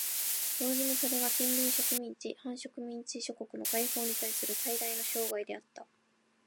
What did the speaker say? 同時にそれは近隣植民地・半植民地諸国の解放にたいする最大の障害であった。